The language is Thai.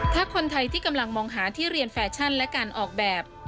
ถ้าคนไทยที่กำลังมองหาที่เรียนแฟชั่นและการออกแบบ